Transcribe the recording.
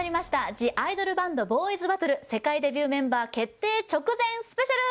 ＴＨＥＩＤＯＬＢＡＮＤ：ＢＯＹ’ＳＢＡＴＴＬＥ世界デビューメンバー決定直前スペシャル！